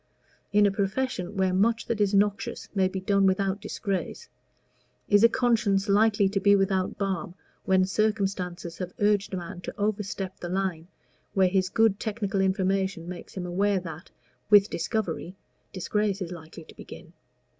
In a profession where much that is noxious may be done without disgrace, is a conscience likely to be without balm when circumstances have urged a man to overstep the line where his good technical information makes him aware that (with discovery) disgrace is likely to begin?